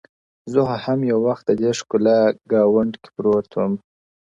زه خو هم يو وخت ددې ښكلا گاونډ كي پروت ومه ـ